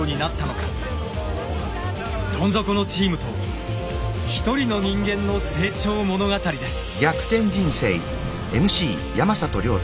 どん底のチームと一人の人間の成長物語です。